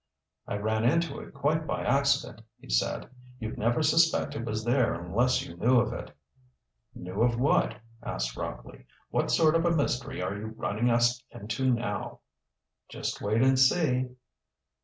"I ran into it quite by accident," he said. "You'd never suspect it was there unless you knew of it." "Knew of what?" asked Rockley. "What sort of a mystery are you running us into now?" "Just wait and see."